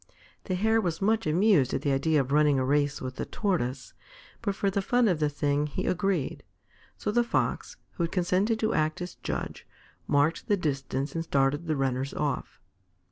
The Hare was much amused at the idea of running a race with the Tortoise, but for the fun of the thing he agreed. So the Fox, who had consented to act as judge, marked the distance and started the runners off.